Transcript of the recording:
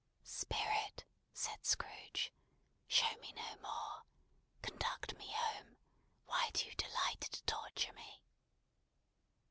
"Spirit!" said Scrooge, "show me no more! Conduct me home. Why do you delight to torture me?"